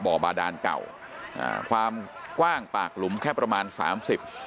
บาดานเก่าอ่าความกว้างปากหลุมแค่ประมาณสามสิบ